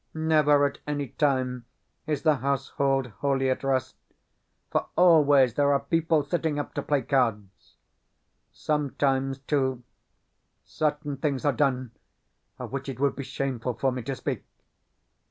Never at any time is the household wholly at rest, for always there are people sitting up to play cards. Sometimes, too, certain things are done of which it would be shameful for me to speak.